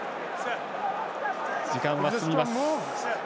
時間は進みます。